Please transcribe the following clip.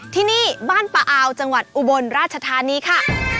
ที่นี่บ้านปะอาวจังหวัดอุบลราชธานีค่ะ